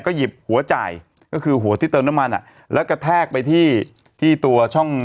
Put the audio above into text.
หยิบหัวจ่ายก็คือหัวที่เติมน้ำมันอ่ะแล้วกระแทกไปที่ที่ตัวช่อง